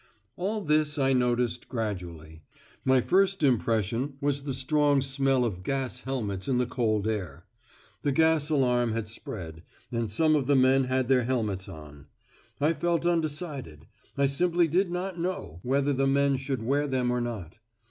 All this I noticed gradually. My first impression was the strong smell of gas helmets in the cold air. The gas alarm had spread, and some of the men had their helmets on. I felt undecided. I simply did not know, whether the men should wear them or not.